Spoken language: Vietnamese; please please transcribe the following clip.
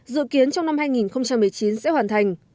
dự kiến trong năm hai nghìn một mươi chín sẽ hoàn thành